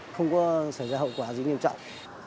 không có xảy ra hậu quả gì nghiêm trọng